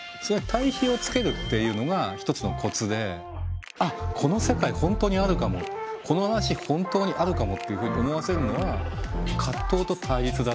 対比をつけるっていうのが一つのコツであっこの世界本当にあるかもこの話本当にあるかもっていうふうに思わせるのは葛藤と対立だっていうね。